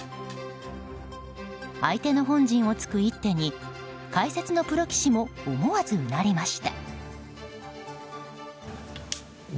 相手の本陣を突く一手に解説のプロ棋士も思わず、うなりました。